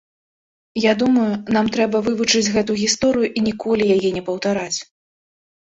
Я думаю, нам трэба вывучыць гэтую гісторыю і ніколі яе не паўтараць.